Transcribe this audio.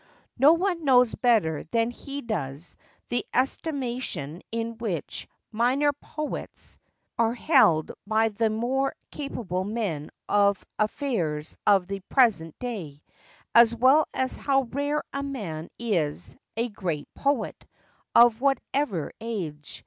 No one knows better than he does the estimation in which iC minor poets" are held by the more capable men of affairs of the present day; as well as how rare a man is a "great poet," of whatever age.